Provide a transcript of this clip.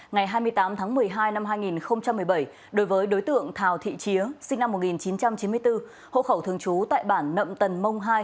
ngày hai mươi tám tháng một mươi hai năm hai nghìn một mươi bảy đối với đối tượng thào thị chía sinh năm một nghìn chín trăm chín mươi bốn hộ khẩu thường trú tại bản nậm tần mông hai